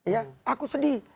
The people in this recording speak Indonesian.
ya aku sedih